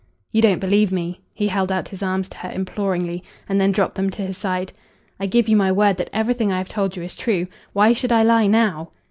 "You don't believe me." He held out his arms to her imploringly, and then dropped them to his side. "I give you my word that everything I have told you is true. Why should I lie now?"